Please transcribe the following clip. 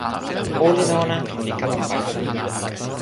olin ona li kama pakala.